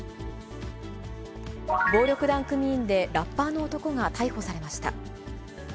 暴力団組員でラッパーの男が逮捕されました。